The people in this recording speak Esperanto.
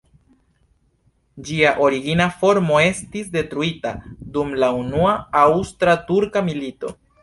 Ĝia origina formo estis detruita dum la Unua Aŭstra-Turka milito.